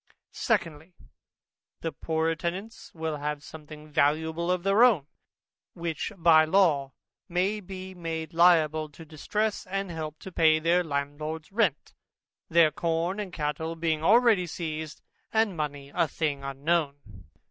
Secondly, The poorer tenants will have something valuable of their own, which by law may be made liable to a distress, and help to pay their landlord's rent, their corn and cattle being already seized, and money a thing unknown.